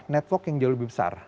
network yang jauh lebih besar